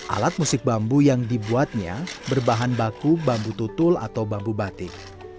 alat musik bambu yang dibuatnya berbahan baku bambu tutul atau bambu batik